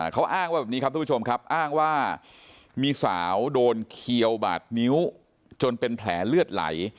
เขาอ้างว่าแบบนี้ครับทุกผู้ชมครับอ้างว่ามีสาวโดนเขียวบาดนิ้วจนเป็นแผลเลือดไหล